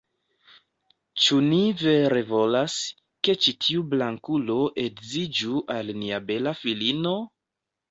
"Ĉu ni vere volas, ke ĉi tiu blankulo edziĝu al nia bela filino?"